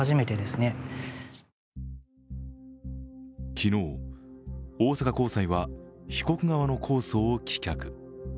昨日、大阪高裁は被告側の控訴を棄却。